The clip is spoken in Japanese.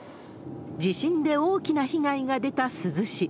地震で大きな被害が出た珠洲市。